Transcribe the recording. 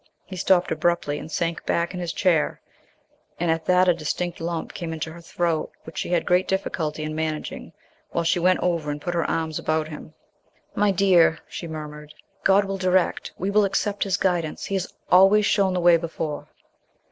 He stopped abruptly, and sank back in his chair. And, at that, a distinct lump came up into her throat which she had great difficulty in managing while she went over and put her arms about him. "My dear," she murmured, "God will direct. We will accept His guidance. He has always shown the way before."